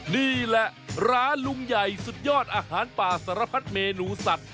นี่แหละร้านลุงใหญ่สุดยอดอาหารป่าสารพัดเมนูสัตว